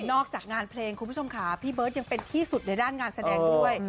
จากงานเพลงคุณผู้ชมค่ะพี่เบิร์ตยังเป็นที่สุดในด้านงานแสดงด้วย